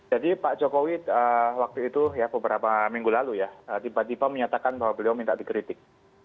jadi pak jokowi waktu itu ya beberapa minggu lalu ya tiba tiba menyatakan bahwa beliau minta dikritik